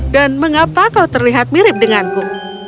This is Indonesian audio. dan mengapa kau terlihat mirip denganku